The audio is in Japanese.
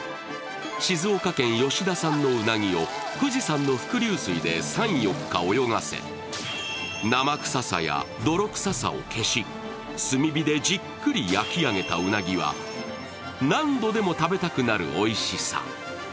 静岡県吉田産のうなぎを富士山の伏流水で３４日泳がせ生臭さや泥臭さを消し、炭火でじっくり焼き上げたうなぎは何度でも食べたくなるおいしさ。